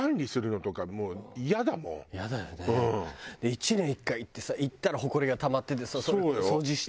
１年に１回行ってさ行ったらほこりがたまっててさそれを掃除して。